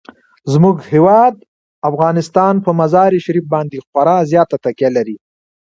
زموږ هیواد افغانستان په مزارشریف باندې خورا زیاته تکیه لري.